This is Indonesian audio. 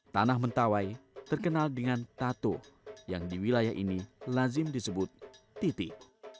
tanah mentawai terkenal dengan tato yang di wilayah ini lazim disebut titik